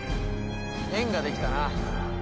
縁ができたな。